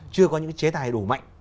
chưa có những chế tài đủ mạnh